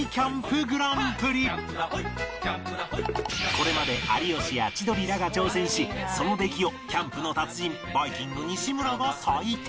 これまで有吉や千鳥らが挑戦しその出来をキャンプの達人バイきんぐ西村が採点